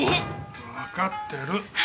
わかってる。